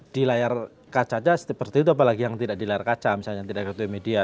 di layar kacanya seperti itu apalagi yang tidak di layar kaca misalnya yang tidak di media